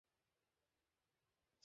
ওহ, ঠিক, ঠিক।